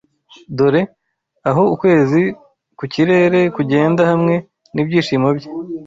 Dore! aho Ukwezi ku kirere Kugenda hamwe nibyishimo bye